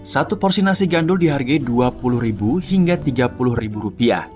satu porsi nasi gandul dihargai rp dua puluh hingga rp tiga puluh